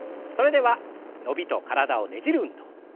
それでは伸びと体をねじる運動。